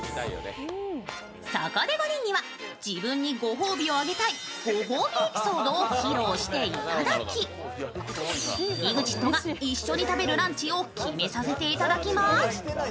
そこで５人には自分にご褒美をあげたいご褒美エピソードを披露していただき、ＥＸＩＴが一緒に食べるランチを決めさせていただきます。